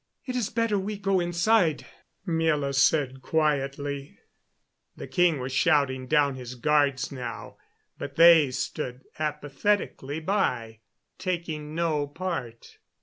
"It is better we go inside," Miela said quietly. The king was shouting down to his guards now, but they stood apathetically by, taking no part.